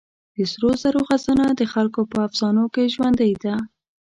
د سرو زرو خزانه د خلکو په افسانو کې ژوندۍ ده.